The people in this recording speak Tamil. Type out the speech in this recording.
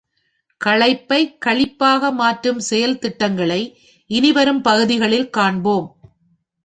களைப்பை களிப்பாக மாற்றும் செயல் திட்டங்களை இனிவரும் பகுதிகளில் காண்போம்.